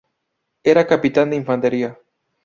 Era capitán de infantería.